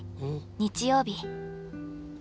日曜日。